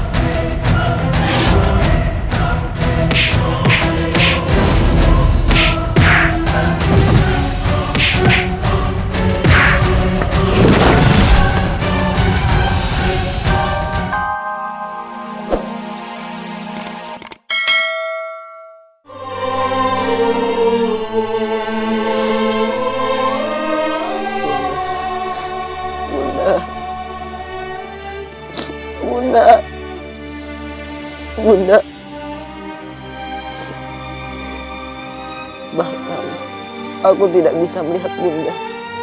bahkan aku tidak bisa melihat munah